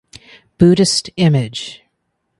Buddhist image.